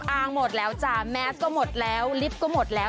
หมดแล้วจ้ะแมสก็หมดแล้วลิฟต์ก็หมดแล้ว